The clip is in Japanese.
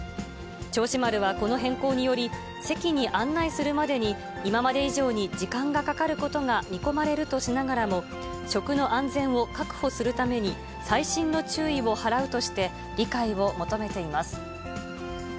銚子丸はこの変更により、席に案内するまでに、今まで以上に時間がかかることが見込まれるとしながらも、食の安全を確保するために、細心の注意を払うとして、理解を求めています。